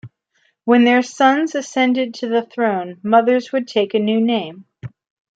When their sons ascended to the throne, mothers would take a new name.